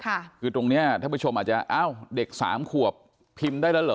คือตรงเนี้ยท่านผู้ชมอาจจะอ้าวเด็กสามขวบพิมพ์ได้แล้วเหรอ